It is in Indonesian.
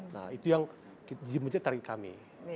nah itu yang menjadi target kami